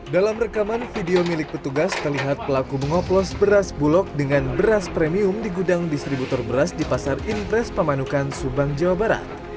dalam rekaman video milik petugas terlihat pelaku mengoplos beras bulog dengan beras premium di gudang distributor beras di pasar impres pemanukan subang jawa barat